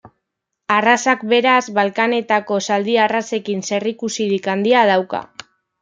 Arrazak beraz Balkanetako zaldi arrazekin zer ikusirik handia dauka.